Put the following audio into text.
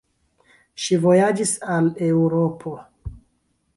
Ŝi vojaĝis al Eŭropo.